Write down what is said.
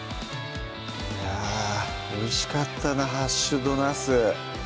いやおいしかったな「ハッシュドなす」